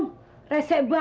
mpas lo dah punya